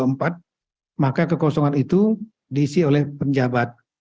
maka kekosongan itu diisi oleh penjabat